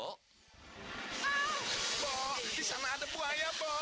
bo di sana ada buaya bo